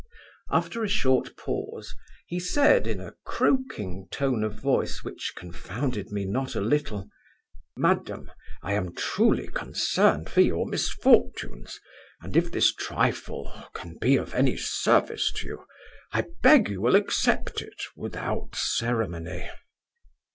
After a short pause, he said, in a croaking tone of voice, which confounded me not a little, 'Madam, I am truly concerned for your misfortunes; and if this trifle can be of any service to you, I beg you will accept it without ceremony.